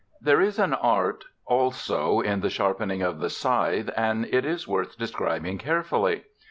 There is an art also in the sharpening of the scythe, and it is worth describing carefully.